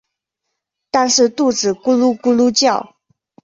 但是肚子咕噜咕噜叫